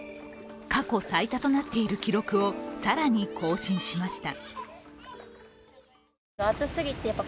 過去最多となっている記録を更に更新しました。